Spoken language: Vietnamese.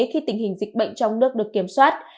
khi tình hình dịch bệnh trong nước được kiểm soát